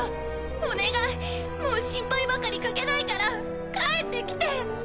お願いもう心配ばかりかけないから帰って来て！